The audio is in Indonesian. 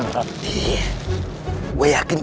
iya gue yakin ini ustadz rehan om